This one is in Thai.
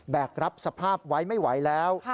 รับสภาพไว้ไม่ไหวแล้ว